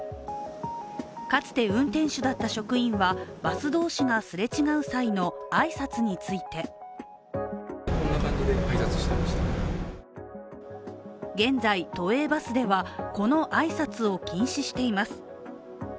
かつて運転手だった職員はバス同士がすれ違う際の挨拶について現在、都営バスではこの挨拶を禁止しています。